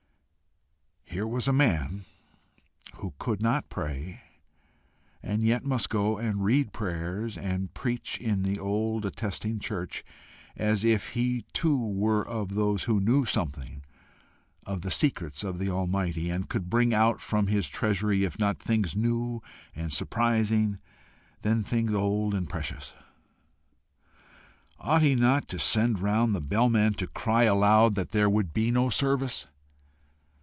Here was a man who could not pray, and yet must go and read prayers and preach in the old attesting church, as if he too were of those who knew something of the secrets of the Almighty, and could bring out from his treasury, if not things new and surprising, then things old and precious! Ought he not to send round the bell man to cry aloud that there would be no service?